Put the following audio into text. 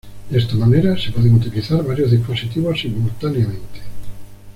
De esta manera se pueden utilizar varios dispositivos simultáneamente.